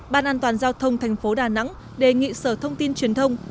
ban an toàn giao thông tp đà nẵng đề nghị sở thông tin truyền thông